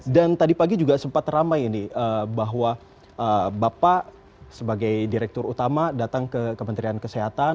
dan tadi pagi juga sempat teramai ini bahwa bapak sebagai direktur utama datang ke kementerian kesehatan